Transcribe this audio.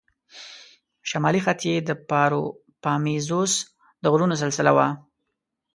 شمالي خط یې د پاروپامیزوس د غرونو سلسله وه.